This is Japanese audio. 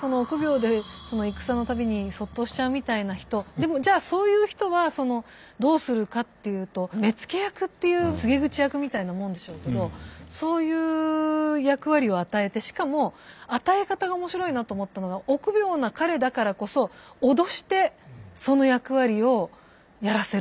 でもじゃあそういう人はどうするかっていうと目付け役っていう告げ口役みたいなもんでしょうけどそういう役割を与えてしかも与え方が面白いなと思ったのが臆病な彼だからこそ脅してその役割をやらせる。